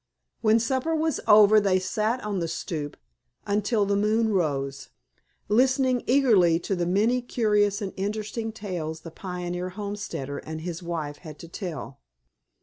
When supper was over they sat on the "stoop" until the moon rose, listening eagerly to the many curious and interesting tales the pioneer homesteader and his wife had to tell.